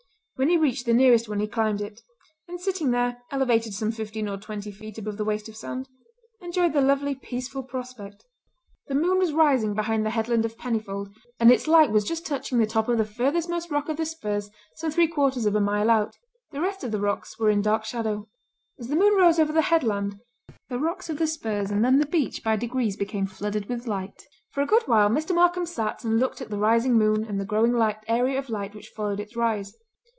When he reached the nearest one he climbed it, and, sitting there elevated some fifteen or twenty feet over the waste of sand, enjoyed the lovely, peaceful prospect. The moon was rising behind the headland of Pennyfold, and its light was just touching the top of the furthermost rock of the Spurs some three quarters of a mile out; the rest of the rocks were in dark shadow. As the moon rose over the headland, the rocks of the Spurs and then the beach by degrees became flooded with light. For a good while Mr. Markam sat and looked at the rising moon and the growing area of light which followed its rise.